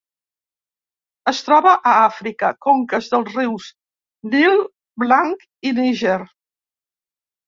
Es troba a Àfrica: conques dels rius Nil Blanc i Níger.